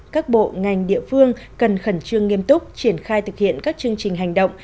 các bộ ngành địa phương cần khẩn trương nghiêm túc triển khai thực hiện các chương trình hành động